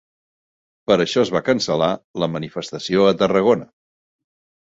Per això es va cancel·lar la manifestació a Tarragona.